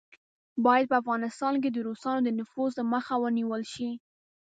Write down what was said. باید په افغانستان کې د روسانو د نفوذ مخه ونیوله شي.